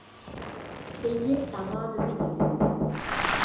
செய்யத் தகாதது எது?